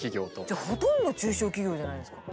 じゃあほとんど中小企業じゃないですか。